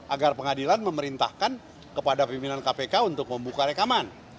agar pengadilan memerintahkan kepada pimpinan kpk untuk membuka rekaman